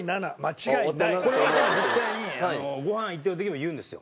実際にご飯行ってる時も言うんですよ。